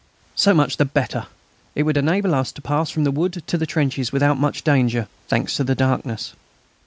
So much the better! It would enable us to pass from the wood to the trenches without much danger, thanks to the darkness.